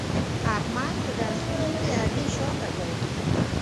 احمد په درسونو کې علي شاته کړ.